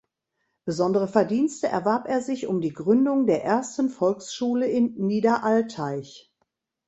Besondere Verdienste erwarb er sich um die Gründung der ersten Volksschule in Niederaltaich.